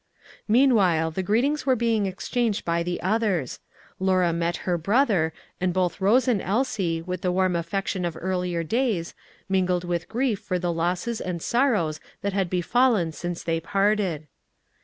Meanwhile the greetings were being exchanged by the others. Lora met her brother, and both Rose and Elsie, with the warm affection of earlier days, mingled with grief for the losses and sorrows that had befallen since they parted.